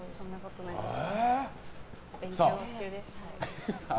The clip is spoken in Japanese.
勉強中です。